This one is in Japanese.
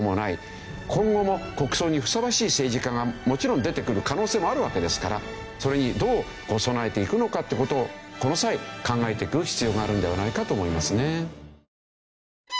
今後も国葬にふさわしい政治家がもちろん出てくる可能性もあるわけですからそれにどう備えていくのかという事をこの際考えていく必要があるのではないかと思いますね。